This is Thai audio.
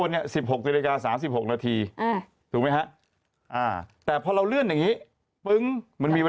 เอาภาพหนูไหม